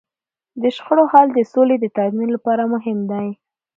د شخړو حل د سولې د تامین لپاره مهم دی.